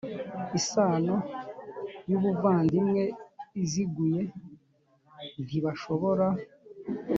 isano y ubuvandimwe iziguye ntibashobora